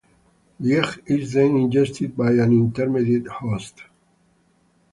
The egg is then ingested by an intermediate host.